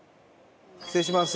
失礼します。